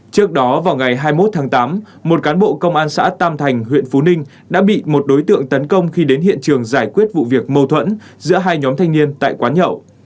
trước đó vào ngày hai mươi một tháng tám một cán bộ công an xã tam thành huyện phú ninh đã bị một đối tượng tấn công khi đến hiện trường giải quyết vụ việc mâu thuẫn giữa hai nhóm thanh niên tại quán nhậu